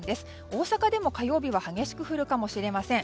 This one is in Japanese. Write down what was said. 大阪でも火曜日は激しく降るかもしれません。